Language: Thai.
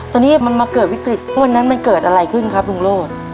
ตอนนี้มันมาเกิดวิกฤตเพราะวันนั้นมันเกิดอะไรขึ้นครับลุงโลศ